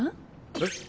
えっ？